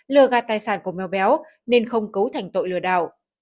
lừa gạt tài sản của mèo béo nên không cấu thành tội lừa đảo